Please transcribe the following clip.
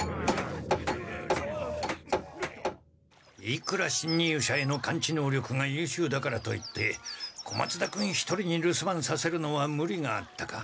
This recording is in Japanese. いくらしんにゅう者への感知能力がゆうしゅうだからといって小松田君一人に留守番させるのはムリがあったか。